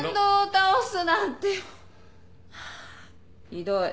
ひどい。